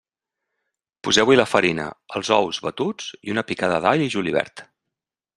Poseu-hi la farina, els ous batuts i una picada d'all i julivert.